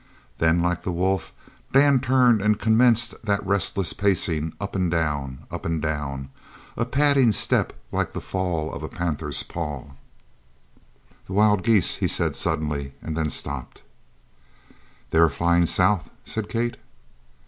Then, like the wolf, Dan turned and commenced that restless pacing up and down, up and down, a padding step like the fall of a panther's paw. "The wild geese " he said suddenly, and then stopped. "They are flying south?" said Kate.